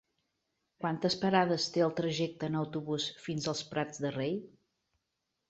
Quantes parades té el trajecte en autobús fins als Prats de Rei?